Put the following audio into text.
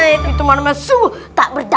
itu mau menyesu tak berdaya